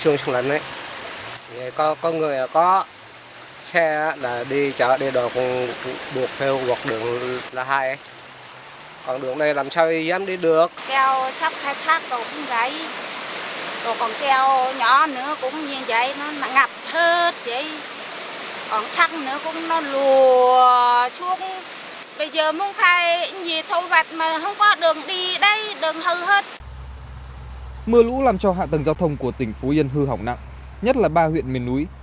mưa lũ làm cho hạ tầng giao thông của tỉnh phú yên hư hỏng nặng nhất là ba huyện miền núi